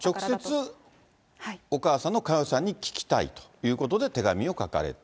直接、お母さんの佳代さんに聞きたいということで、手紙を書かれた。